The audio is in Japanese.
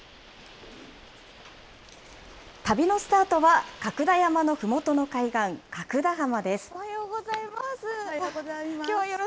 旅のスタートは角田山のふもとの海岸、角田浜です。